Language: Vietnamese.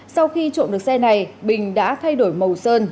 sau khi trộm được xe này bình đã thay đổi màu sơn